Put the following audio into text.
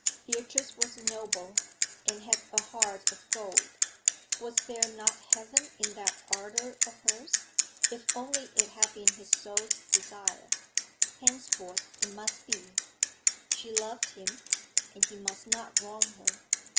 Beatrice was noble, and had a heart of gold; was there not heaven in that ardour of hers, if only it had been his soul's desire? Henceforth it must be; she loved him, and he must not wrong her.